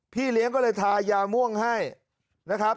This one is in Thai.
พี่เลี้ยงก็เลยทายาม่วงให้นะครับ